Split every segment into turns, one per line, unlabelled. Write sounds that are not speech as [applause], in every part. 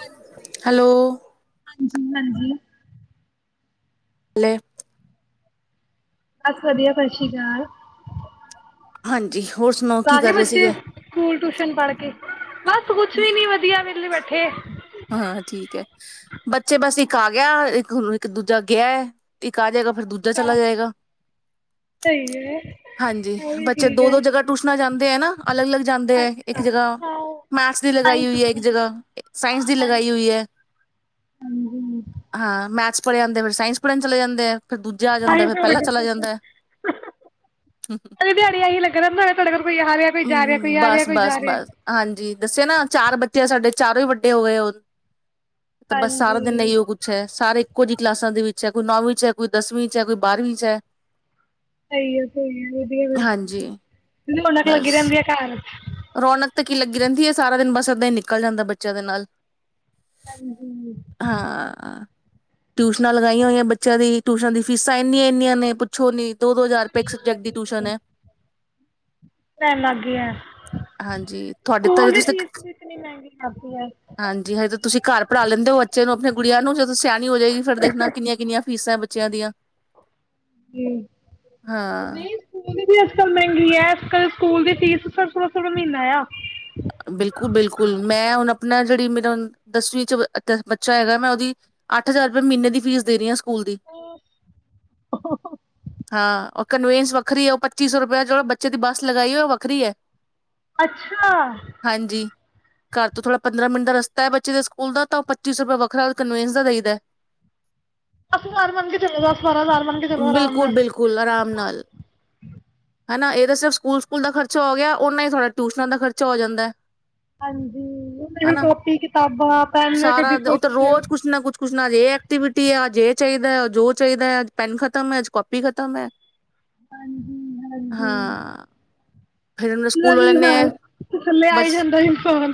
ਹਾਂਜੀ
ਹੈਲੋ
ਹਾਂਜੀ।
ਹੱਲੇ
ਬਸ ਵਧੀਆ ਸਤਿ ਸ਼੍ਰੀ ਅਕਾਲ।
ਹਾਂਜੀ। ਹੋਰ ਸੁਣਾਓ ਕੀ
ਸਾਰੇ
ਕਰ ਰਹੇ
ਬੱਚੇ
ਸੀਗੇ
ਸਕੂਲ ਟਿਊਸ਼ਨ ਪੜ੍ਹ ਕੇ ਬਸ ਕੁੱਛ ਵੀ ਨੀ ਵਧੀਆ ਵੇਲੈ ਬੈਠੈ। ਠੇ।
ਹਾਂ, ਠੀਕ ਐ, ਬੱਚੇ ਬਸ ਇੱਕ ਆ ਗਿਆ, ਇੱਕ ਇੱਕ ਦੂਜਾ ਗਿਆ ਐ ਇੱਕ ਆ ਜੇਗਾ ਫਿਰਰ ਦੂਜਾ ਚਲਾ ਜਏਗਾ।
ਸਹੀ ਹੈ
ਹਾਂਜੀ
ਉਹ ਵੀ
ਬੱਚੇ
ਠੀਕ
ਦੋ-ਦੋ ਜਗ੍ਹਾ ਟਊਸ਼ਨਾਂ ਜਾਂਦੇ ਐ ਨਾਂ, ਅਲੱਗ-ਅਲੱਗ ਜਾਂਦੇ ਐ,
ਅੱਛਾ
ਇੱਕ ਜਗ੍ਹਾ
ਹਾਂ।
ਮੈਥਸ ਦੀ
ਸਾਇੰਸ
ਲਗਾਈ ਹੋਈ ਹੈ ਇੱਕ
ਸਾਇੰਸ
ਜਗ੍ਹਾ ਸਾਇੰਸ ਦੀ
ਹਾਂਜੀ
ਲਗਾਈ ਹੋਈ ਐ, ਹਾਂ। ਮੈਥਸ ਪੜ੍ਹ ਜਾਂਦੇ ਫਿਰ ਸਾਇੰਸ ਪੜ੍ਹਨ ਚਲੇ ਜਾਂ ਆਂ। ਫਿਰ ਦੂਜਾ ਆ ਜਾਂਦਾ
ਸਾਇੰਸ
ਫਿਰ ਪਹਿਲਾਂ ਚਲਾ
ਸਾਰੀ
ਜਾਂਦਾ ਐ,
ਦਿਹਾੜੀ ਇਹੀ ਲੱਗਾ ਰਹਿੰਦਾ ਤੁਹਾਡੇ ਕੋਲ ਕੋਈ ਆ ਰਿਹਾ ਕੋਈ ਜਾ ਰਿਹਾ ਕੋਈ ਆ ਰਿਹਾ
ਬਸ
ਕੋਈ
ਬਸ
ਜਾ ਰਿਹਾ
ਬਸ ਹਾਂਜੀ, ਦੱਸਿਆ ਨਾ ਚਾਰ ਬੱਚੇ ਆ ਸਾਡੇ ਚਾਰੋਂ ਈ ਵੱ ਡੇ ਹੋ ਗਏ ਹੁਣ ਤੇ ਬਸ ਸਾਰਾ ਦਿਨ
ਹਾਂਜੀ
ਇਹੀਓ ਕੁੱਛ ਐ ਸਾਰੇ ਕੁਝ ਕਲਾਸਾਂ ਦੇ ਵਿੱਚ ਐ ਕੋਈ ਨੌਵੀਂ ਚ ਕੋਈ ਦਸਵੀਂ ਚ ਐ ਕੋਈ ਬਾਰਵੀਂ ਚ ਐ।
ਸਹੀ ਏ ਸਹੀ ਵਧੀਆ ਫਿਰ ਰੋਣਕ ਲੱਗੀ
ਬਸ
ਰਹਿੰਦੀ ਐ ਘਰ।
ਰੌਣਕ ਤੇ ਕੀ ਲੱਗੀ ਰਹਿੰਦੀ ਐ ਸਾਰਾ ਦਿਨ ਬਸ ਇੱਦਾਂ ਈਂ ਨਿਕਲ ਜਾਂਦਾ ਬੱਚਿਆਂ ਦੇ ਨਾਲ
ਹਂ
ਹਾਂ ਟਿਊਸ਼ਨਾਂ ਲਗਾਈਆਂ ਹੋਈਆਂ ਬੱਚਿਆਂ ਦੀ ਟਿਊਸ਼ਨ ਦੀ ਫੀਸਾਂ ਇੰਨੀਆਂ-ਇੰਨੀਆਂ ਨੇ ਪ ਪੁੱਛੋ ਨੀਂ। ਦੋ-ਦੋ ਹਜ਼ਾਰ ਰਪਏ ਇੱਕ ਸਬਜੈਕਟ ਦੀ ਟਿਊਸ਼ਨ ਐ।
ਟਾਈਮ ਲੱਗ ਗਿਆ
ਹਾਂਜੀ ਤੁਹਾਡੇ ਤਾਂ ਹਜੇ,
ਸਕੂਲ ਦੀ
ਤੁਸੀਂ
ਫੀਸ ਵੀ ਇਤਨੀ ਮਹਿੰਗੀ ਕਰਤੀ ਹੈ
ਹਾਂਜੀ ਹਜੇ ਤਾਂ ਤੁਸੀਂ ਘਰ ਪੜ੍ਹਾ ਲੈਂਦੇ ਹੋ ਬੱਚੇ ਨੂੰ ਆਪਣੇ ਗੁੜੀਆਂ ਨੂੰ, ਜਦ ਸਿਆਣੀ ਹੋ ਜਾਏਗੀ ਫਿਰ ਦੇਖਣਾ ਕਿੰਨੀਆਂ-ਕਿੰਨੀਆਂ ਫੀਸਾਂ ਬੱਚਿਆਂ ਦੀਆਂ
ਹਂ,
ਹਾਂ
ਨਈਂ ਸਕੂਲ ਦੀ ਅੱਜ ਕੱਲ ਮਹਿੰਗੀ ਐ, ਅੱਜ-ਕੱਲ ਸਕੂਲ ਦੀ ਫੀਸ ਸੋਲਾਂ ਸੌ ਰੁਪ ਮਹੀਨਾ ਆਂ।
ਬਿਲਕੁਲ-ਬਿਲਕੁਲ ਮੈਂ ਹੁਣ ਆਪਣਾ ਜਿਹੜੀ ਮੇਰਾ ਦਸਵੀਂ ਚ ਬੱਚਾ ਹੈਗਾ ਮੈਂ ਉਹਦੀ ਅੱਠ ਹਜ਼ਾਰ ਰੁਪਏ ਮਹੀਨੇ ਦੀ ਫੀਸ ਦੇ ਰਹੀ ਆਂ ਸਕੂਲ ਦੀ। ਹਾਂ ਉ ਕਨਵੀਨਸ ਵੱਖਰੀ ਐ, ਉਹ ਪੱਚੀ ਸੌ ਰੁਪਇਆ ਜਿਹੜ ਬੱਚੇ ਦੀ ਬੱਸ ਲਗਾਈ ਐ ਉਹ ਵੱਖਰੀ ਐ।
ਅੱਛਾ।
ਘਰ ਤੋਂ ਥੋੜ੍ਹਾ ਪੰਦਰਾਂ ਮਿੰਟ ਦਾ ਰਸਤਾ ਐ, ਬੱਚੇ ਦੇ ਸਕੂਲ ਦਾ ਤਾਂ ਉਹ ਪੱਚੀ ਸੌ ਰੁਪਇਆ ਵੱਖਰਾ ਕਨਵੀਨਸ ਦਾ ਦੇਈਦਾ।
ਅਸੀ ਨਾਰ ਮਨ ਕੇ ਚੱਲੇ ਸ ਨਾਰ ਮਨ ਕੇ ਚੱਲੋ ਆਰਾਮ ਨਾਲ
ਬਿਲਕੁਲ-ਬਿਲਕੁਲ ਆਰਾਮ ਨਾਲ ਹਨਾ ਇਹ ਸਿਰ ਸ ਸਕੂਲ ਸਕੂਲ ਦਾ ਖਰਚਾ ਹੋ ਗਿਆ, ਉਹਨਾ ਹੀ ਤੁਹਾਡਾ ਟਿਊਸ਼ਨਾਂ ਦਾ ਖਰਚਾ ਹੋ ਜਾਂਦਾ ਐ।
ਹਾਂਜੀ ਉਹਦੇ ਕੋਲ
ਹਨਾ
ਕਾਪੀ ਕਿਤਾਬਾਂ ਪੈਨ
ਸਾਰਾ
ਕਦੀ
ਉੱਥ
ਕੁਛ
ਰੋਜ਼ ਕੁਛ ਨਾ ਕੁਛ ਕੁਛ ਨਾ ਅੱਜ ਇਹ ਐਕਟੀਵਿਟੀ ਆ ਅਜ ਇਹ ਚਾਹੀਦਾ ਹੈ ਜੋ ਚਾਹੀਦਾ ਹੈ ਪੈਨ ਖਤਮ ਹੈ, ਅੱਜ ਕਾਪੀ ਖਤਮ ਐ।
ਹਾਂਜੀ-ਹਾਂਜੀ।
ਹਾਂ
ਲਵੀ ਸਾਂ ਥੱਲੇ ਆਈ ਜਾਂਦਾ ਸੀ ਫੋਨ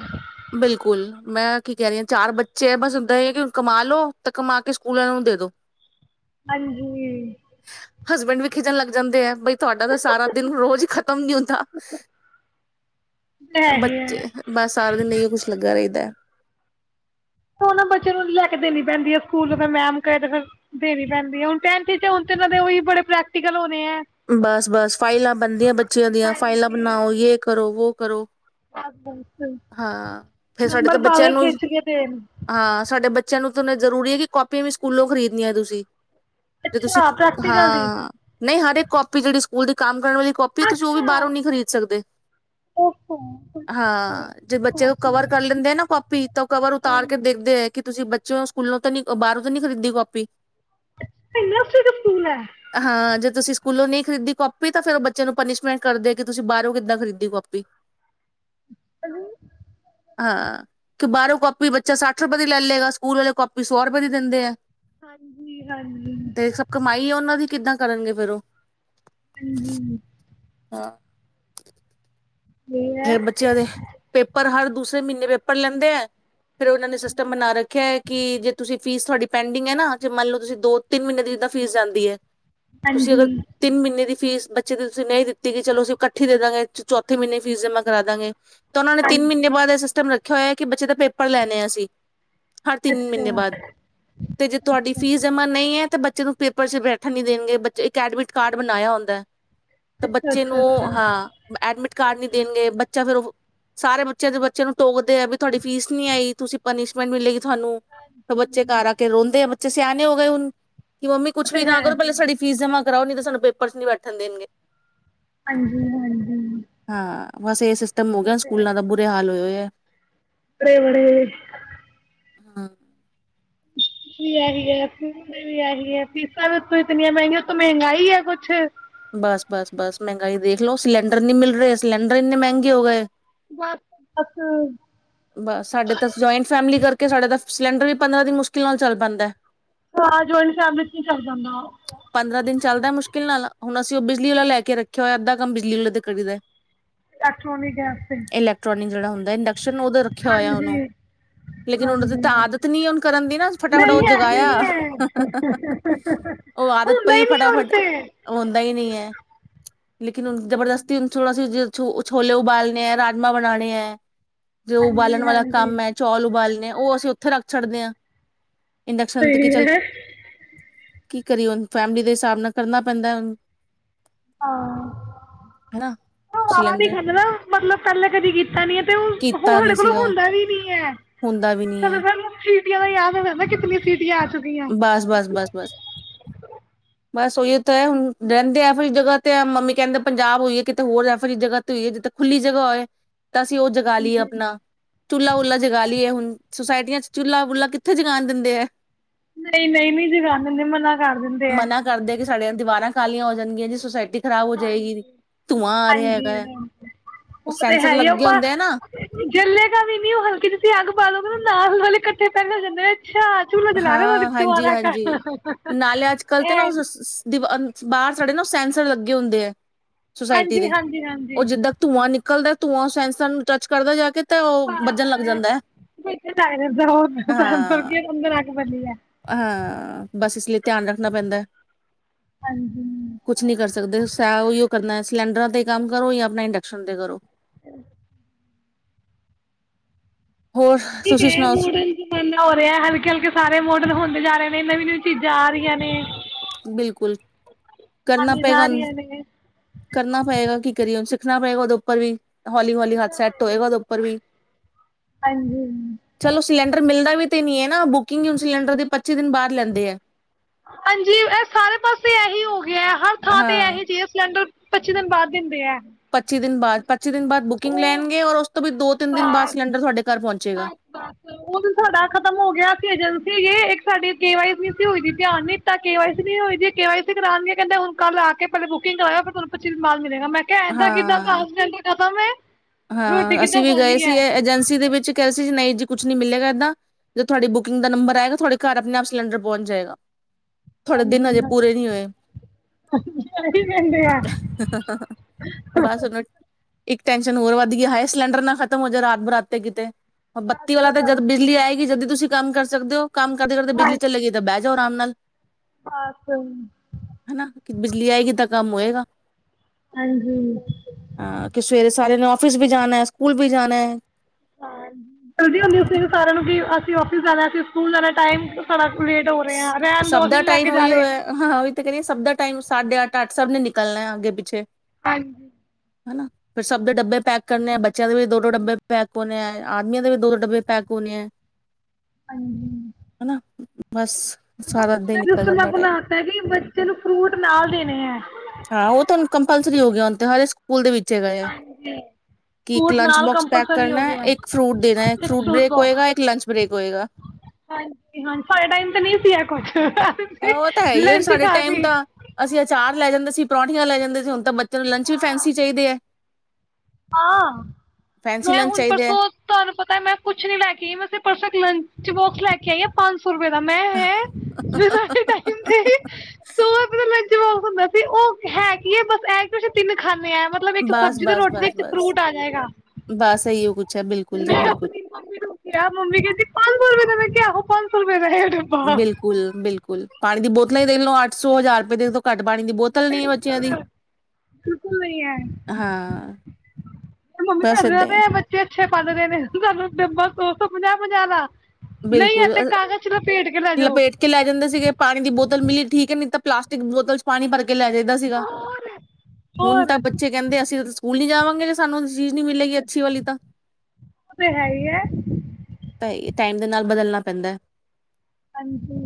ਮੈਂ ਕੀ ਕਹਿ ਰਹੀ ਆਂ ਚਾਰ ਬੱਚੇ ਹੈ ਬਸ ਓਦਾਂ ਹੀ ਕਿ ਕਮਾ ਲੋੋ ਤੇ ਕਮਾ ਕੇ ਸਕੂਲ ਆਲਿਆਂ ਨੂੰ ਦੇ ਦੋ
ਹਾਂਜੀ ਇਹ
ਹਸਬੈਂਡ ਵੀ ਖਿਜਣ ਲੱਗ ਜਾਂਦੇ ਐ ਬਈ ਤੁਹਾਡਾ ਤਾਂ ਸਾਰਾ ਦਿਨ ਰੋਜ਼ ਹੀ ਖਤਮ
ਤਾਂ ਹੈ ਹੀ ਹੈ
ਬੱਚੇ ਬਸ ਸਾਰਾ ਦਿਨ ਇਹੀਓ ਕੁੱਛ ਲੱਗਾ ਰਹਿੰਦਾ ਐ।
ਉਹਨਾਂ ਬੱਚੇ ਨੂੰ ਲੈ ਕੇ ਦੇਣੀ ਪੈਂਦੀ ਹੈ ਸਕੂਲ ਫੇਰ ਮੈਮ ਕਹੇ ਤੇ ਫਿਰ ਦੇਣੀ ਪੈਂਦੀ ਹੈ ਹੁਣ ਟ ਹੁਣ ਦੇ ਉਹੀ ਬੜੇ ਪ੍ਰੈਕਟੀਕਲ ਹੋਣੇ ਹੈ
ਬਸ ਬਸ ਫਾਈਲਾਂ ਬਣਦੀਆਂ ਬੱਚਿਆਂ ਦੀਆਂ ਫਾਈਲਾਂ ਬਣਾਓ
ਹਾਂਜੀ
ਯੇ ਕਰੋ ਵੋ ਕਰੋ ਹਾਂ ਫੇਰ ਸਾਡੇ
ਨੰਬਰ
ਤਾਂ ਬੱਚਿਆਂ
ਭਾਵੇਂ
ਨੂੰ
ਖਿੱਚ ਕੇ ਦੇਣ
ਹਾਂ ਸਾਡੇ ਬੱ ਬੱਚਿਆਂ ਨੂੰ ਤਾਂ ਜ਼ਰੂਰੀ ਹੈ ਕਿ ਕਾਪੀਆਂ ਵੀ ਸਕੂਲੋਂ ਖਰੀਦਣੀਆਂ ਤੁਸੀਂ ਜੇ
ਅੱਛਾ
ਤੁਸੀਂ
ਪ੍ਰੈਕਟੀਕਲ ਦੀ
ਹਾਂ ਨਹੀਂ ਹਾਰੇ ਕਾਪੀ ਜਿਹੜੀ ਸਕੂਲ ਦੀ ਕੰਮ ਵਾਲੀ ਕਾਪੀ ਤੁਸੀਂ ਉਹ ਵੀ
ਅੱਛਾ
ਬਾਹਰੋਂ ਨੀ ਖਰੀਦ ਸਕਦੇ।
ਓਹੋ
ਹਾਂ ਜੇ ਬੱਚੇ ਨੂੰ
ਕੋਸੀ
ਕਵਰ ਕਰ ਲੈਂਦੇ ਨਾ ਪਾਪੀ ਤਾਂ ਉਹ ਕਵਰ ਉਤਾਰ ਕੇ
ਹਾਂਜੀ
ਦੇਖਦੇ ਹੈ ਕਿ ਤੁਸੀਂ ਬ ਬ ਸਕੂਲੋਂ ਤੋਂ ਨੀ ਬਾਹਰੋਂ ਤੋਂ ਨੀ ਖਰੀਦੀ ਕੌਪੀ
ਇਹ ਨਰਸਰੀ ਦਾ ਸਕੂਲ ਐ।
ਹਾਂ ਜੇ ਤੁਸੀਂ ਸਕੂਲੋਂ ਨਹੀਂ ਖਰੀਦੀ ਕਾਪੀ ਤਾਂ ਫੇਰ ਉਹ ਬੱਚੇ ਨੂੰ ਪਨੀਸ਼ਮੈਂਟ ਕਰਦੇ ਕਿ ਤੁਸੀਂ ਬਾਹਰੋਂ ਕਿੱਦਾਂ ਖਰੀਦੀ ਕੌਪੀ ਹਾਂ ਕਿ ਬਾਰੋਂ ਕਾਪੀ ਬੱਚਾ ਸੱਠ ਰੁਪਏ ਦੀ ਲੈ ਲਏਗਾ, ਸਕੂਲ ਵਾਲੇ ਕਾਪੀ ਸੌ ਰੁਪਏ ਦੀ ਦਿੰਦੇ ਆ।
ਹਾਂਜੀ ਹਾਂਜੀ
ਤੇ ਸਭ ਕਮਾਈ ਉਹਨਾਂ ਦੀ ਕਿੱਦਾਂ ਕਰਨਗੇ। ਕਰੋ।
ਹੂੰ, ਹੂੰ, ਹੂੰ।
ਹਾ
ਇਹ ਹੈ
ਫੇਰ ਬੱਚਿਆਂ ਦੇ ਪੇਪਰ ਹਰ ਦੂਸਰੇ ਮਹੀਨੇ ਪੇਪਰ ਲੈਂਦੇ ਐ ਫੇਰ ਉਹਨਾ ਨੇ ਸਿਸਟਮ ਬਣਾ ਰੱਖਿਆ ਏ ਕਿ ਜੇ ਤੁਸੀਂ ਫੀਸ ਤੁਹਾਡੀ ਪੈਂਡਿੰਗ ਹੈ ਨਾ ਜੇ ਮੰਨ ਲੋ ਤੁਸੀਂ ਦੋ ਤਿੰਨ ਮਹੀਨੇ ਦੀ ਜਿਦਾਂ ਫੀਸ ਜਾਂਦੀ ਹੈ। ਤੁਸੀਂ
ਹਾਂਜੀ
ਅਗਰ ਤਿੰਨ ਮਹੀਨੇ ਦੀ ਫੀਸ ਬੱਚੇ ਦੀ ਤੁਸੀਂ ਨਹੀਂ ਦਿੱਤੀ ਗਈ ਚਲੋ ਅਸੀਂ ਇਕੱਠੀ ਦੇ ਦਾਂਗੇ ਚੌਥੇ ਮਹੀਨੇ ਫੀਸ ਜਮਾ ਕਰਾਦਾਂਗੇ। ਤਾਂ ਉਹਨਾਂ ਨੇ ਤਿੰਨ
ਹਾਂਜੀ
ਮਹੀਨੇ ਬਾਦ ਇਹ ਸਿਸਟਮ ਬ ਰੱਖਿਆ ਹੋਇਆ ਕਿ ਬੱਚੇ ਦਾ ਪੇਪਰ ਲੈਣੇ ਆਂ ਅਸੀਂ। ਹਰ ਤਿੰਨ
ਅੱਛਾ
ਮਹੀਨੇ ਬਾਦ ਤੇ ਜੇ ਤੁਹਾਡੀ
ਅੱਛਾ
ਫੀਸ ਜਮਾ ਨਹੀਂ ਹੈ ਤੇ ਬੱਚੇ ਨੂੰ ਪੇ ਪਰ ਚ ਬੈਠਣ ਨਹੀ ਦੇਣਗੇ ਬੱਚੇ ਇਕ ਐਡਮਿਟ ਕਾਰਡ ਬਣਾਇਆ ਹੁੰਦਾ ਐ। ਤੇ
ਅੱਛਾ
ਬੱਚੇ
ਅੱਛਾ
ਨੂੰ
ਅੱਛਾ
ਹਾਂ ਐਡਮਿਟ ਕਰ ਨੀ [unintelligible] ਦੇਣਗੇ ਬੱਚਾ ਫੇਰ ਉਹ ਸਾਰੇ ਬੱਚੇ ਦੇ ਬੱਚਿਆਂ ਨੂੰ ਟੋਕਦੇ ਐ ਵੀ ਤੁਹਾਡੀ ਫੀਸ ਨੀ ਆਈ ਤੁਸੀ ਪਨਿਸ਼ਮੈਂਟ ਮਿਲੇਗੀ। ਸਾਨੂੰ ਬੱਚੇ
ਹਾਂਜੀ
ਘਰ ਆ ਕੇ ਰੋਂਦੇ ਆ ਬੱਚੇ ਸਿਆਣੇ ਹੋ ਗਏ ਹੁਣ। ਕਿ ਮੰਮੀ
ਉਹ
ਕੁਛ
ਤੇ
ਵੀ
ਹੈ
ਨਾ ਕਰੋ ਪਹਿਲੇ
ਫਿਰ
ਸਾਡੀ ਫੀਸ ਜਮ੍ਹਾਂ ਕਰਾਓ ਨਈ ਤੇ ਸਾਨੂੰ ਪੇਪਰ ਚ ਨੀ ਬੈਠਣ ਦੇਣਗੇ।
ਹਾਂਜੀ ਹਾਂਜੀ।
ਹਾਂ ਬਸ ਇਹ ਸਿਸ ਟਮ ਹੋ
ਉਹ
ਗਿਆ
ਤੇ ਹੈ
ਸਕੂਲਾਂ ਦਾ ਬੁਰੇ ਹਾਲ ਹੋਏ ਏ ਐ।
ਬੜੇ ਬੜੇ
ਹਾਂ।
ਵੀਹੀ ਹੈ ਵੀਹੀ ਹੈ ਫੀਸਾਂ ਵੀ ਉਤੋਂ ਇਤਨੀਆਂ ਮਹਿੰਗੀਆਂ ਉਤੋਂ ਮਹਿੰਗਾਈ ਹੈ ਕੁਛ। [unintelligible]
ਬਸ ਬਸ ਬਸ ਮਹਿੰਗਾਈ ਦੇਖ ਲਵੋ ਸਿਲੰਡਰ ਨਹੀ ਮਿਲ ਰਹੇ ਸਿਲੰਡਰ ਇੰਨੇ ਮਹਿੰਗੇ ਹੋ ਗਏ।
ਬਸ ਬਸ। [unintelligible]
ਬਸ ਤਾਂ ਜੁਆਇੰਟ ਫੈਮਿਲੀ ਕਰਕੇ ਸਾਡੇ ਤਾਂ ਸਿਲੰਡਰ ਵੀ ਪੰਦਰਾਂ ਦਿਨ ਮੁਸ਼ਕਿਲ ਨਾਲ ਚੱਲ ਪੈਂਦਾ ਹੈ।
ਹਾਂ ਜੋਇੰਟ ਫੈਮਲੀ ਚ ਨਹੀਂ ਚੱਲ ਪਾਂਦਾ।
ਪੰਦਰਾਂ ਦਿਨ ਚੱਲਦਾ ਮੁਸ਼ਕਿਲ ਨਾਲ। ਹੁਣ ਅਸੀਂ ਉਹ ਬਿਜਲੀ ਵਾਲਾ ਲੈ ਕੇ ਰੱਖਿਆ ਹੋਇਆ ਅਧਾ ਕੰਮ ਬਿਜਲੀ ਵਾਲੇ ਤੇ ਕਰੀ ਦਾ।
ਇਲੈਕਟ੍ਰੋਨਿਕ ਗੈਸ ਤੇ
ਇਲੈਕਟ੍ਰੋਨਿਕ ਜਿਹੜਾ ਹੁੰਦਾ ਏ ਇੰਡਕਸ਼ ਉਦੋਂ ਰੱਖਿਆ ਹੋਇਆ
ਹਾਂਜੀ
ਉਹਨੂੰ ਲੇਕਿਨ ਉਹਦੇ
ਹਾਂਜੀ
ਤਾਂ
ਹਾਂਜੀ
ਆਦਤ ਨੀ ਉਹ ਕਰਨ ਦੀ ਨਾ ਫਟਾਫਟ ਉਹ
ਨਹੀਂ ਹੈ
ਜਗਾਇਆ
ਨਹੀਂ ਹੈ
ਔ ਆਦਤ
ਹੁੰਦਾ
ਪਈ
ਹੀ ਨਹੀਂ ਔਰ
ਫਟਾਫਟ
ਤੇ
ਹੁੰਦਾ ਹੀ ਨਹੀਂ ਹੈ ਲੇਕਿਨ ਹੁਣ ਜਬਰਦਸਤੀ ਹੁਣ ਥੋੜਾ ਸੀ ਛੋ ਛੋਲੇ ਉਬਾਲਣੇ ਹੈ ਰਾਜਮਾਂ ਬਣਾਉਣੇ ਹੈ। ਜੋ
ਹਾਂਜੀ
ਉਬਾਲਣ ਵਾਲਾ
ਹਾਂਜੀ
ਕੰਮ ਹੈ ਚੌਲ ਉਬਾਲਣੇ ਉਹ ਅਸੀ ਉੱਥੇ ਰੱਖ ਛੱਡਦੇ ਹਾਂ। ਇੰਡਕਸ਼ਨ ਤੋਂ ਕੀ
ਸਹੀ
ਚਲ
ਹੈ
ਕੀ ਕਰੀਏ ਹੁਣ ਫੈਮਿਲੀ ਦੇ ਹਿਸਾਬ ਨਾਲ ਕਰਨਾ ਪੈਂਦਾ ਉਹਨੂੰ
ਹਾਂ ਉਹ ਆ ਵੀ
ਸਿਲੰਡਰ
ਖੱਲਦਾ ਮਤਲਬ ਪਹਿਲਾਂ ਕਦੀ ਕੀਤਾ ਨੀ [unintelligible] ਤੇ ਹੁਣ
ਕੀਤਾ
ਸਾਡੇ
ਨੀ
ਕੋਲੋਂ
ਸੀਗਾ
ਹੁੰਦਾ ਵੀ ਨੀ ਹੈ
ਹੁੰਦਾ ਵੀ ਨੀ ਹੈ
ਕੀ ਦਾ ਯਾਦ ਹੋਇਦਾ ਨਾ ਕਿੰਨੀ ਸੀਟ
ਬਸ ਬਸ ਬਸ ਬਸ ਬਸ ਉਹੀ ਉੱਥ ਹੈ ਹੁਣ ਰਹਿੰਦੇ ਐ ਵਾਰੀ ਜਗ੍ਹਾ ਤੇ ਮੰਮੀ ਕਹਿੰਦੇ ਪੰਜਾਬ ਹੋਈ ਹੈ ਕਿਤੇ ਹੋਰ ਐ ਵਾਰੀ ਜਗ੍ਹਾ ਤੇ ਹੋਈ ਹੈ ਜਿੱਥੇ ਖੁੱਲੀ ਜ੍ਹਾ ਹੋਏ [unintelligible] ਤਾਂ ਅਸੀਂ ਉਹ ਜਗਾ ਲਈਏ ਆਪਣਾ ਚੁੱਲ੍ਹਾ ਬੁੱਲ੍ਹਾ ਜਗਾ ਲਈਏ ਹੁਣ ਸੁਸਾਇਟੀਆਂ ਚੁੱਲਾ ਬੁੱਲਾ ਕਿੱਥੇ ਜਗਾਨ ਦਿੰਦੇ ਹੈ।
ਨਹੀਂ ਨਹੀਂ ਨਹੀਂ ਜਗਾਨ ਦਿੰਦੇ ਮਨਾ ਕਰ ਦਿੰਦੇ ਐ,
ਮਨਾ ਕਰਦੇ ਕਿ ਸਾਡੀਆਂ ਦੀਵਾਰਾਂ ਖਾਲੀਆਂ ਹੋ ਜਾਂਣਗੀਆਂ ਜੀ ਸੋਸਾਇਟੀ
ਹਜੀ ਹਾਂਜੀ
ਹੈ
ਹ ਉਹ ਤੇ
ਸੈਂਸਰ
ਹੈ ਹੀ ਆਪ
ਲੱਗੇ
ਆਪਾਂ
ਹੁੰਦੇ ਆ ਨਾ
ਜੱਲੇਗਾ ਵੀ ਨੀ ਉਹ ਹਲਕੀ ਤੁਸੀਂ ਅੱਗ ਪਾਾਲਓਗੇ ਨਾ ਵਾਲੇ ਇਕੱਠੇ ਪਹਿਦਾ ਜਾਂਦੇ ਅੱਛਾ ਚੁੱਲ੍ਹਾ ਜਲਾ ਰਹੇ ਤੁਹਾਡੇ
ਹਾਂ ਹਾਂਜੀ
ਦੁਬਾਰਾ
ਹਾਂਜੀ
ਕਰ
ਨਾਲੇ ਅੱਜ ਕੱਲ੍ਹ ਤੇ ਨਾ
ਇਹ
ਦੀਵ ਬਾਹਰ ਸਾਡੇ ਨਾ ਸੈਂਸਰ ਲੱਗੇ ਹੁੰਦੇ ਹੈ। ਸੁਸਾਇਟੀ
ਹਾਂਜੀ
ਦੇ
ਹਾਂਜੀ
ਉਹ
ਹਾਂਜੀ
ਜਿੱਦਾਂ ਧੂੰਆਂ ਨਿਕਲ ਨਿਕਲਦਾ ਧੂੰਆਂ ਸਾਇੰਸਰ ਨੂੰ ਟੱਚ ਕਰਦਾ ਜਾ ਕੇ ਤਾਂ ਉਹ ਵੱਜਣ ਲੱਗ ਜਾਂਦਾ ਹੈ ਹਾਂ
[unintelligible]
ਹਾਂ ਬਸ ਇਸ ਲਈ ਧਿਆਨ ਰੱਖਣਾ ਪੈਂਦਾ
ਹਾਂਜੀ
ਕੁਛ ਨੀ ਕਰ ਸਕਦੇ ਸ ਕਰਨਾ ਸਿਲੰਡਰਾਂ ਤੇ ਕੰਮ ਕਰੋ ਜਾਂ ਆਪਣਾ ਇੰਡਕਸ਼ਨ ਤੇ ਕਰੋ।
ਹਮ
ਹੋਰ
ਠੀਕ
ਤੁਸੀਂ
ਹੈ
ਸੁਣਾਓ
ਮੋਡਰਨ ਜ਼ਮਾਨਾ ਹੋ ਰਿਹਾ ਹਲਕੇ ਹਲਕੇ ਸਾਰੇ ਮੋਡਰਨ ਹੁੰਦੇ ਜਾ ਰਹੇ ਨੇ ਨੇ ਨਵੀਂ ਨਵੀਂ ਚੀਜ਼ਾਂ ਆ ਰਹੀਆਂ ਨੇ
ਬਿਲਕੁਲ ਕਰਨਾ
ਆਉਣੀਆਂ ਜਾ
ਪਏਗਾ
ਰਹੀਆਂ ਨੇ
ਕਰਨਾ ਪਏਗਾ ਕੀ ਕਰੀਏ ਦੇਖਣਾ ਪਏਗਾ ਉਹਦੇ ਉੱਪਰ ਵੀ ਹੌਲੀ ਹੌਲੀ ਹੱਥ ਸੈਟ ਹੋਏਗਾ ਉਹਦੇ ਉੱਪਰ ਵੀ
ਹਾਂਜੀ
ਚਲੋ ਸਿਲੰਡਰ ਮਿਲਦਾ ਵੀ ਤੇ ਨੀ ਹੈ ਨਾ ਬੁਕਿੰਗ ਹੁਣ ਸਿਲੰਡਰ ਦੇ ਪੱਚੀ ਦਿਨ ਬਾਹਦ ਲੈਂਦੇ ਆ।
ਹਾਂਜੀ ਇਹ ਸਾਰੇ ਪਾਸੇ ਇਹੀ ਹੋ ਹਰ ਥਾਂ ਤੇ
ਹਾਂ
ਇਹ ਜਿਹੇ ਸਿਲੰਡਰ ਪੱਚੀ ਦਿਨ ਬਾਅਦ ਦਿੰਦੇ ਹੈ।
ਪੱਚੀ ਦਿਨ ਬਾਅਦ ਪੱਚੀ ਦਿਨ ਬਾਅਦ ਬੁਕਿੰਗ
ਉਹ
ਲੈਣਗੇ ਔਰ ਉਸ ਵੀ ਦੋ ਦਿਨ ਤਿੰਨ ਬਾਅਦ ਸਿਲੰਡਰ ਤੁਹਾਡੇ ਘਰ ਪਹੁੰਚਣ ਗੇ।
ਬਸ ਬਸ ਉਹ ਵੀ ਸਾਡਾ ਖਤਮ ਹੋ ਗਿਆ ਸੀ ਏਜੰਸੀ ਇੱਕ ਸਾਡੀ ਕੇ ਵਾਈ ਸੀ ਨਹੀ ਹੋਈ ਦੀ ਧਿਆਨ ਨੀ ਦਿੱਤਾ ਕੇ ਵਈ ਸੀ ਨ ਹੋਈ ਕੇ ਵ ਸੀ ਕਰਾਉਣ ਦੀ ਕਹਿੰਦਾ ਹੁਣ ਕੱਲ੍ਹ ਆ ਕੇ ਪਹਿਲੇ ਬੁਕਿੰਗ ਕਰਇਆ ਫਿਰ ਤੁਹਾਨੂੰ ਪੱਚੀ ਦਿਨ ਬਾਦ ਮਗਾ ਮੈਂ ਕਿਹਾ ਇੱਦਾਂ ਕਿੱਦਾਂ
ਹਾਂ
ਹਸਡੈਂਡ ਖਤਮ ਏ
ਹਾਂ ਅਸੀਂ ਵੀ ਗਏ ਸੀ ਏਜੰਸੀ ਦੇ ਵਿੱਚ ਕਿਹਾ ਸੀ ਨਹੀਂ ਜੀ ਕੁੱਛ ਨੀ ਮਿਲੇਗਾ ਏਦਾਂ ਜ ਤੁਹਾਡੀ ਬੁਕਿੰਗ ਦਾ ਨੰਬਰ ਆਏਗਾ ਤੁਹਾਡੇ ਘਰ ਆਪਣੇ ਆਪ ਸਿਲੰਡਰ ਪਹੁੰਚ ਜਾਏਗਾ। ਥੋੜੇ ਦਿਨ
ਹਾਂਜੀ
ਹਜੇ
ਹਾਂਜੀ
ਪੂਰੇ ਨਹੀਂ ਹੋਏ
ਇਹੀ ਕਹਿੰਦੇ ਆ
ਹਾ ਹਾਂ ਹਾਂ ਬਸ ਉਹਨ ਇੱਕ ਹੋਰ ਵੱਧ ਗਿਆ ਹੈ ਸਿਲੰਡਰ ਨਾ ਖ਼ਤਮ ਹੋ ਜਾਏ ਰਾਤ ਬਰਾਤ ਤੇ ਕਿਤੇ ਬੱਤੀ ਵਾਲਾ
ਬਸ
ਤਾਂ ਜਦ
ਬਸ
ਬਿਜਲੀ ਆਏਗੀ ਜਦ ਤੁਸੀਂ ਕੰਮ ਕਰ ਸਕਦੇ ਹੋ ਕੰਮ ਕਰਦੇ ਕਰਦੇ ਬਿਜਲੀ
ਹਾਂਜੀ
ਚੱਲਗੀਈ ਤਾਂ ਬੈਗ ਆਰਾਮ ਨਾਲ
ਬਸ
ਹਨਾ ਕਿ ਬਿਜਲੀ ਆਏਗੀ ਤਾਂ ਕੰਮ ਹੋਏਗਾ
ਹਾਂਜੀ
ਕਿ ਸਵੇਰੇ ਸਾਰੇਆਂ ਨੇ ਔਫਿਸ ਵੀ ਜਾਾਨਣਾ ਹੈ ਸਕੂਲ ਵੀ ਜਾਾਨਾ ਹੈ
ਹਾਂ ਜਲਦੀ ਹੁੰਦੀ ਉਸ ਸਾਰਿਆਂ ਨੂੰ ਕਿ ਔਫਿਸ ਜਾਣਾ ਸੀ ਸਕੂਲ ਜਾਣਾ ਟਾਈਮ ਸਾਡਾ ਲੇਟ ਹੋ ਰਿਹਾ ਰਹਿਣ
ਸਭ
ਦੋ ਅਸੀਂ
ਦਾ
ਨੀ ਲੈ
ਟਾਈਮ
ਕੇ ਜਾ
ਉਹੀ ਹੋ
ਰਹੇ
ਹੈ ਹਾਂ ਉਹੀ ਤਾਂ ਕਹਿਏ ਸਭ ਦਾ ਟਾਈਮ ਸਾਢੇ ਅੱਠ ਅੱਠ ਸਭ ਨੇ ਨਿਕਲਣਾ ਅੱਗੇ ਪਿੱਛੇ
ਹਾਂਜੀ
ਹਨਾ ਫਿਰ ਸਭ ਦੇ ਡੱਬੇ ਪੈਕ ਕਰਨੇ ਆ ਬੱਚਿਆਂ ਦੇ ਵੀ ਦੋ ਦੋ ਡੱਬੇ ਪੈਕ ਹੋਣੇ ਆ ਆਦਮੀਆਂ ਦੇ ਵੀ ਦੋ ਦੋ ਡੱਬੇ ਪੈਕ ਹੋਣੇ ਆ
ਹਾਂਜੀ
ਹਨਾ ਬਸ ਸਾਰਾ ਹੀ ਨਿਕਲ
ਸਿਸਟਮ ਮੈਂ
ਜਾਂਦਾ ਟਮ
ਬਣਾਤਾ ਕਿ ਬੱਚੇ ਨੂੰ ਫਰੂਟ ਨਾਲ ਦੇਣੇ ਹੈ
ਹਾਂ ਉਹ ਤੁ ਕੰਪਲਸਰੀ ਹੋ ਗਿਆ ਹ ਸਕੂਲ ਦੇ ਵਿੱਚ ਗਏ ਹੈ
ਹਾਂਜੀ
ਕਿ ਇੱਕ
ਫਰੂਟ
ਲੰਚ
ਨਾਲ
ਬੋਕਸ ਪੈਕ
ਕੰਪਲਸਰੀ ਹੋ
ਕਰਨਾ
ਗਿਆ
ਇੱਕ ਫਰੂਟ ਦੇਣਾ
ਇੱਕ
ਫਰੂਟ ਬ੍ਰੇਕ ਹੋਏਗਾ
ਬੋਕਸ
ਇੱਕ ਲੰਚ ਬ੍ਰੇਕ ਹੋਏਗਾ
ਨ ਸੀ ਆ ਕੁ
ਉਹ ਤਾਂ ਹੈ ਹੀ ਆੁਣ ਸਾਡੇ ਟਾਈਮ
ਕੇ
ਤਾਂ ਅਸੀਂ ਅਚਾਰ ਲੈ ਜਾਂਦੇ ਸੀ ਪ੍ਰੌਂਠੀਆਂ ਲੈ ਜਾਂਦੇ ਸੀੁਣ ਤਾਂ ਤੈਨੂੰ ਲੰਚ ਵੀ ਫੈਸੀ ਚਾਹੀਦੇ ਹੈ
ਹਾਂ
ਫੈਂਸੀ
ਮੈਂ
ਲੰਚ
ਹੁਣ
ਚਾਹੀਦੇ ਹੈ
ਪਰਸੋਂ ਤੁਹਾਨੂੰ ਪਤਾ ਮੈਂ ਕੁਛ ਨੀ ਲੈ ਕੇ ਵੈਸੇ ਪਰਸ ਲਣ ਲੈ ਕੇ ਆਈਏ ਪੰਜ [inaudible] ਹੁੰਦਾ ਸੀ ਉਹ ਹੈ ਕੀ ਹੈ ਬਸ ਐ ਕਿ ਅਸੀਂ ਤਿੰਨ ਖਾਂ ਆ ਮਤਲਬ ਇੱਕ
ਬਸ
ਸਬਜ਼ੀ ਦੀ
ਬਸ
ਰੋਟੀ ਦੇ
ਬਸ ਬਸ, ਇਹੀ ਉਹ ਕੁੱਛ ਐ ਬਿਲਕੁਲ ਜੀ
ਮੈਂ
ਬਿਲਕੁਲ
ਆਪਣੀ ਮੰਮੀ ਕਿਹਾ, ਮੰਮੀ ਕਹਿੰਦੀ ਪਾ ਸ ਰੁਪਏ ਦੇ ਕਿਆਹੋ ਪੰਜ ਸੌ ਰੁਪਏ ਦੇ
ਬਿਲਕੁਲ ਬਿਲਕੁਲ, ਪਾਣੀ ਦੀ ਬੋ ਲਈ ਦੇਖੋ ਅੱਠ ਸੌ ਹਜ਼ਾਰ ਰੁਪਏ ਤੋਂ ਘੱਟ ਪਾਣੀ ਦੀ ਬੋਤਲ ਨੀ ਹੈ ਬੱਚਿਆਂ
ਬਿਲਕੁਲ
ਦੀ
ਬਿਲਕੁਲ ਨਹੀਂ ਐ,
ਹਾਂ
ਮੰਮੀ
ਬਸ
ਸਾਡੇ ਨਾਲੋ
ਏਦਾਂ ਹੀ ਹੈ।
ਤੇ ਬੱਚੇ ਅੱਛੇ ਪੜ੍ਹ ਰਹੇ ਨੇ ਸਾਨੂੰ ਡੱਬਾ ਪੰਜਾਹ ਪੰਜਾਹ ਦਾ- ਨਹੀਂ ਹੈ
ਬਿਲਕੁਲ ਆ
ਤੇ ਕਾਗਜ਼ ਚ ਲਪੇਟ ਕੇ ਲੈ ਜਾਓ
ਲਪੇਟ ਕੇ ਲੈ ਜਾਂਦੇ ਸੀਗੇ, ਪਾਣੀ ਦੀ ਬੋ ਤਲ ਮਿਲੀ ਠੀਕ ਐ, ਨਹੀਂ ਤਾਂ ਪਲਾਸਟਿਕ ਬੋਤਲ ਚ ਪਾਣੀ ਭਰ ਕੇ ਲੈ ਜਾਈ ਦਾ ਸੀਗਾ।
ਹੋਰ
ਹੁਣ
ਉਹ
ਤਾਂ ਬੱਚੇ ਕਹਿੰਦੇ ਅਸੀਂ ਸਕੂਲ ਨੀ ਜਾਵਾਂਗੇ ਜੇ ਸਾਨੂੰ ਚੀਜ਼ ਨਹੀਂ ਮਿਲੇਗੀ ਅੱਛੀ ਵਾਲੀ ਤਾਂ,
ਤੇ ਹੈ ਹੀ ਹੈ
ਤਾਂ ਐ ਟਾਈਮ ਦੇ ਨਾਲ ਬਦਲਣਾ ਪੈਂਦਾ ਹੈ।
ਹਾਂਜੀ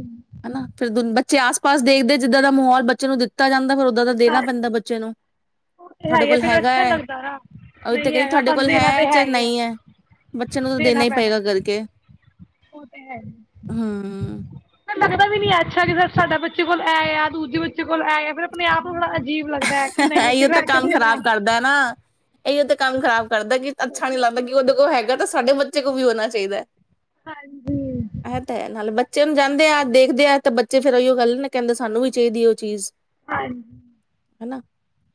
ਹਨਾ, ਫਿਰ ਦ ਬੱਚੇ ਆਸ ਪਾਸ ਦੇਖਦੇ ਜਿੱਦਾਂ ਦਾ ਮਾਹੌਲ ਬੱ ਚਲੋ ਦਿੱਤਾ ਜਾਂਦਾ, ਫਿਰ ਓਦਾਂ ਦਾ ਦੇਣਾ ਪੈਂਦਾ ਬੱਚੇ ਨੂੰ,
ਉਹ ਤੇ ਹੈ
ਤੁਹਾਡੇ
ਹੀ
ਕੋਲ
ਫਿਰ
ਹੈਗਾ
ਅੱਛਾ ਨੀ
ਹੈ
ਲੱਗਦਾ ਨਾ
ਉਹ ਤੇ
ਨਹੀਂ
ਕਹਿੰ
ਹੈਗਾ
ਤੁਹਾਡੇ
ਸਾਨੂੰ
ਕੋਲ
ਦੇਣਾ
ਹੈ,
ਤੇ
ਚਾਹੇ
ਹੀ ਹੈ
ਨਹੀਂ ਐ, ਬੱਚੇ ਨੂੰ ਤਾਂ ਦੇਣਾ ਹੀ ਪਏਗਾ ਕਰਕੇ
ਉਹ ਤੇ ਹੈ।
ਹਮ
ਫੇਰ ਲੱਗਦਾ ਵੀ ਨੀ ਐ, ਅੱਛਾ ਜੀ ਸਰ ਸਾਡਾ ਬੱਚੇ ਕੋਲ ਐ ਆ ਦੂਜੇ ਬੱਚੇ ਕੋਲ ਐ ਆ ਫਿਰ ਆਪ ਨੂੰ ਬੜਾ ਅ ਅਜੀਬ ਅੱਛਾ ਲੱਗਦਾ ਕਿ ਨਹੀਂ ਅਸੀਂ
ਇਹੀਓ
ਲੈ ਕੇ ਦੇਣਾ।
ਇਹੀ ਉਹ ਤੇ ਕੰਮ ਖਰਾਬ ਕਰਦਾ ਕੀ, ਅੱਛਾ ਨੀ ਲੱਗਦਾ ਕਿ ਉਹਦੇ ਕੋਲ ਹੈਗਾ ਸ ਸਾਡੇ ਬੱਚੇ ਕੋਲ ਵੀ ਹੋਣਾ ਚਾਹੀਦਾ ਹੈ।
ਹਾਂਜੀ
ਇਹ ਤਾਂ ਹੈ, ਨਾਲੇ ਬੱਚ ਬੱਚੇ ਹਣ ਜਾਂਦੇ ਆ ਦੇਖਦੇ ਆ ਤੇ, ਬੱਚੇ ਫਰ ਉਹੀਓ ਗੱਲ ਨਾ ਕਹਿੰਦੇ ਸਾਨੂੰ ਵੀ ਚਾਹੀਦੀ ਐ, ਉਹ ਚੀਜ਼।
ਹਾਂਜੀ
ਹਨਾ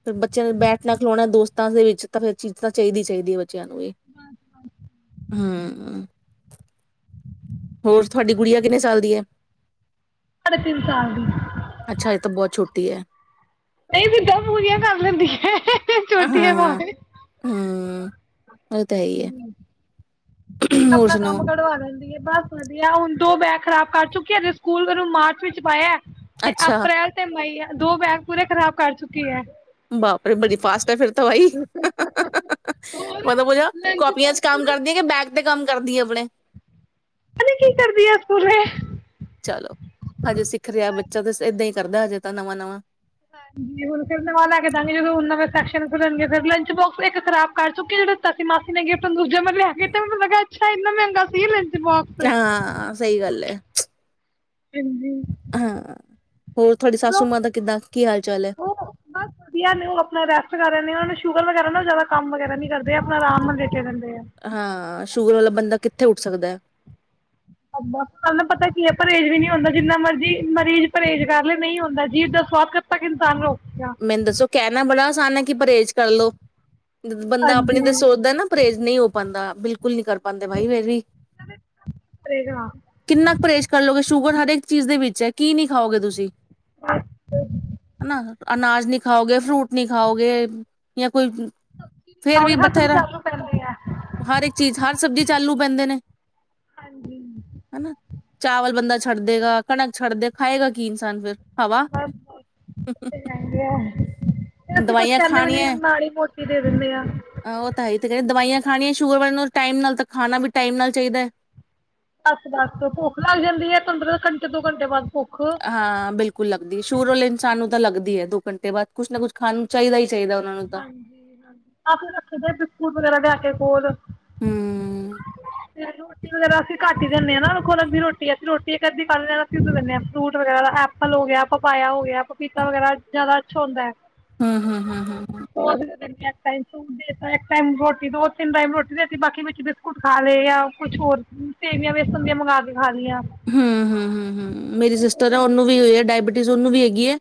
ਫਿਰ ਬੱਚਿਆਂ ਨੇ ਬੈਠਣਾ ਖਿਲਾਣਾ ਦੋਸਤਾਂ ਦੇ ਵਿੱਚ, ਤਾਂ ਫੇਰ ਚੀਜ਼ ਤਾਂ ਚਾਹੀਦੀ ਚਾਹੀਦੀ ਐ ਬੱ ਬੱਚਿਆਂ ਨੂੰ ਇਹ, ਹੂੰ। ਹੋਰ ਤੁਹਾਡੀ ਗੁੜੀਆਂ ਕਿੰਨੇ ਸਾਲ ਦੀ ਐ?
ਸਾਡੇ ਤਿੰਨ ਸਾਲ ਦੀ।
ਦੀ ਹੈ
ਨਹੀਂ ਜਿੱਦਾਂਪੂਰੀਆਂ ਕਰ ਲੈਂਦੀਆਂ ਛੋਟੀ ਬੇ [unintelligible]
ਹੂੰ ਉਹ ਤਾਂ ਹੀ ਹੈ ਹੋਰ
ਆਪਣਾ ਕੰਮ ਕਢਵਾ ਲੈਂਦੀ ਹੈ ਬਸ ਵਧੀਆ ਹੁਣ ਦੋ ਬੈਗ ਖ਼ਰਾਬ ਕਰ ਚੁੱਕਿਆਜੇ ਸਕੂਲ ਮੈਨੂੰ ਮਾਰਚ ਵਿੱਚ ਪਾਇਆ ਤੇ ਅਪ੍ਰੈਲ ਤੇ ਮਈ ਦੋ ਬੈਗ ਪੂਰੇ ਖ਼ਰਾਬ ਕਰ ਚੁੱਕੀ ਹੈ
ਬਾਪਰੇਬੜੀ ਫਾਸਟ ਹੈ ਫਿਰ ਤਾਂ ਵਾਈ
ਹੋਰ
ਮਲ
ਲੰਚ
ਕਾਪੀਆਂ ਚ ਕੰਮ ਕਰਦੀਆਂ ਕਿ ਬੈਗ ਤੇ ਕੰਮ ਕਰਦੀਏ ਆਪਣੇ
ਕ ਕੀ ਕਰਦੀ ਆ ਸਕੂਲ
ਚਲੋ ਹਜੇ ਸਿੱਖ ਰਿਹਾ ਬੱਚਾ ਤਾਂ ਏਦਾਂ ਹੀ ਕਰਦਾ ਹਜੇ ਤਾਂ ਨਵਾਂ ਨਵਾਂ
ਹਾਂਜੀ ਹੁਣ ਫਰ ਨਵ ਲੈ ਕੇ ਦਾਂਗੇਦੋਂ ਨਵੇਂ ਸੈਕਸ਼ਨ ਖੁੱਲਣਗੇ ਫ ਲੰਚ ਬੋਕ ਇੱਕ ਖਰਾਬ ਕਰ ਚੁੱਕੇ ਜਿਹੜੇ ਤਸੀ ਮਾਸੀ ਨੇ ਗਿਟਨ ਦੂਜੇ ਮਗਰ ਕੇਨੂੰ ਲੱ ਅੱਛਾ ਇੰਨਾ ਮਹਿੰਗਾ ਸੀ ਲੰ
ਹਾਂ ਸਹੀ ਗੱਲ ਹੈ
ਹਾਂਜੀ
ਹਾਂ ਹੋਰ ਤੁਹਾਡੀ ਸਸੂ ਮਾਂ ਦਾ ਕਿੱਦਾਂ ਕੀ ਹਾਲ ਚਾਲ ਹੈ
ਉਹ ਬਸ ਵਧੀਆ ਨੇ ਉਹ ਆਪਣਾ ਰੈਸਟ ਕਰ ਰਹੇ ਨੇ ਉਹਨਾਂ ਨੂੰ ਸ਼ੂਗਰ ਵਗੈਰਾ ਨਾ ਜ਼ਿਆਦਾ ਕੰਮ ਵਗੈਰਾ ਨੀ ਕਰਦੇ ਆਪਣਾ ਆਰਾਮ ਲੇਟੇ ਰਹਿੰਦੇ ਆ
ਹਾਂ ਸ਼ੂਗਰ ਵਾਲਾ ਬੰਦਾ ਕਿੱ ਇੱਥੇ ਉੱਠ ਸਕਦਾ ਹੈ
ਸ ਨੂੰ ਪਤਾ ਕੀ ਹੈ ਪਰਹੇਜ਼ ਵੀ ਨਹੀਂੀ ਹੁੰਦਾ ਜਿੰਨਾ ਮਰਜ਼ੀ ਮਰੀਜ਼ ਪਰਹੇਜ਼ ਕਰ ਲ ਨਹੀਂ ਹੁੰਦਾ ਜੀਵ ਦਾ ਸਵਾਦ ਕਿਦ ਤੱਕ ਇਨਸਾਨ ਰੋ
ਮੈਨੂੰ ਦੱਸੋ ਕਹਿਣਾ ਬੜਾ ਸਾਨ ਕੀ ਪਰਹੇਜ਼ ਕਰਲੋ ਬੰਦਾ ਆਪਣੀ
ਹਾਂਜੀ
ਤਾਂ ਸੋਚਦਾ ਨਾ ਪਰਹੇਜ਼ ਨਹੀਂ ਹੋ ਪਾਉਂਦਾ ਬਿਲਕਲ ਨੀ ਕਰ ਪਾਉਂਦੇ ਬਾਈ ਮੇ ਵੀ
ਕਰੇਗਾ
ਕਿੰਨਾ ਕੁ ਪਰਹੇਜ਼ ਕਰ ਲੋਗੇ ਸ਼ੂ ਹਰੇਕ ਚੀਜ਼ ਦੇ ਵਿੱਚ ਹੈ ਕੀ ਨਹੀਂ ਖਾਓਗੇ ਤੁਸੀਂ ਹਨ ਨਾ ਅਨਾਜ ਨੀ ਖਾਓਗੇ ਫਰੂਟ ਨੀ ਖਾਓਗੇ ਜਾਂ ਕੋਈ ਫੇਰ ਵੀ
ਆਓਗੇ ਹੱਥ
ਬਠੇਰਾ
ਚਾਲੂ ਪੈਂਦੇ ਆ
ਹਰ ਇੱਕ ਚੀਜ਼ ਹਰ ਸਬਜ਼ੀ ਚਾਲੂ ਪੈਂਦੇ ਨੇ
ਹਾਂਜੀ
ਹਨਾ ਚਾਵਲ ਬੰਦਾ
ਉਹ
ਛੱਡ
ਤੇ
ਦੇਗਾ ਕਣਕ ਛੱਡ ਦੇ ਖਾਏਗਾ ਕੀ ਇਨਸਾਨ ਫਿਰ ਹਵਾ
ਫ ਅਸੀਂ ਕੁਛ
ਦਵਾਈਆਂ
ਕਹਿੰਦੇ ਵੀ ਨਹੀਂ
ਖਾਣੀਆਂ
ਨਾਲੀ ਮੋਤੀ ਦੇ ਦਿੰਦੇ ਹ
ਉਹ ਤਾਂ ਹੈ ਹੀ ਤੇ ਕਹਿੰਦੇ ਦਵਾਈਆਂ ਖਾਣੀਆਂ ਸ਼ੂਗਰ ਵਾਲ ਨੂੰ ਟਾਈਮ ਨਾਲ ਤਾਂ ਖਾਣਾ ਵੀ ਟਾਈਮ ਨਾਲ ਚਾਹੀਦਾ ਹੈ
ਬੱਸ ਬੱਸ ਭੁੱਖ ਲੱਗ ਜਾਂਦੀ ਹੈ ਪੰੰਦਰ ਘੰਟੇ ਦੋ ਘੰਟੇ ਬਾਅਦ ਭੁੱਖ
ਹਾਂ ਬਿਲਕੁਲ ਲੱਗਦੀ ਸ਼ੂਰਲੇ ਇਨਸਾਨ ਨੂੰ ਲੱਗਦੀ ਹੈ ਦੋ ਘੰਟੇ ਬਾਅਦ ਕੁਛ ਨਾ ਕੁਛ ਖਾਣ ਚਾਹੀਦਾ ਹੀ ਚਾਹੀਦਾ ਉਹਨਾਂ ਨੂੰ ਤਾਂ
ਹਾਂਜੀ ਹਾਂਜੀ ਆਪ ਰੱਖੇਦੇ ਬਿਸਕੁਟ ਵਗੈਰਾ ਲਿਆ ਕੇ ਬਲ
ਹਮ
ਤੇ ਰੋਟੀ ਵਗੈਰਾ ਅਸੀਂ ਘੱਟ ਹੀ ਦਿੰਦੇ ਹਾਂ ਨਾੋ ਅਲੱਗ ਦੀ ਰੋਟੀ ਅਸੀਂ ਰੋਟੀ ਇੱਕ ਅੱਧੀ ਕੱਢ ਅ ਸਧ ਦਿੰਦੇਾਂ ਫੂਟ ਵਗੈਰਾ ਐਪਲ ਹੋ ਗਿਆ ਪਪਾਇਆ ਹੋ ਗਿਆ ਪਪੀਤਾ ਵਗੈਰਾ ਜ਼ਿਆਦਾ ਅੱਛਾ ਹੁੰਦਾ ਹੈ
ਹਮ ਹਮ ਹਮ
ਉਹ ਟਮ ਸੂਤਾ ਇੱਕ ਟਮ ਰੋਟੀ ਦੋ ਤਿੰਨ ਟਮ ਰੋਟੀ ਦੇਤੀ ਬਾਕੀ ਵਿੱਚ ਬਿਸਕੁਟ ਖਾ ਲ ਜਾਂ ਕੁਛ ਹੋਰ ਸੇਵੀਆਂ ਵੇਸਣ ਦੀਆਂ ਮੰਗਵਾ ਦੇ
ਹਮ ਹਮ ਹਮ ਹਮ ਮੇਰੀ
ਉਹ
ਸਿਸਟਰ ਹੈ
ਦਿੰਦੇ
ਉਹਨੂੰ
ਆ
ਵੀ ਹੋ ਡਾਇਬਟੀਜ਼ ਉਹਨੂੰ ਵੀ ਹੈਗੀ ਹੈ